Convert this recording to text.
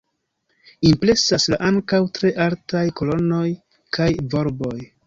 Impresas la ankaŭ tre altaj kolonoj kaj volboj.